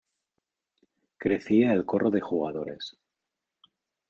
crecía el corro de jugadores.